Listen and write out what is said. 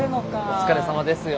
お疲れさまですよ。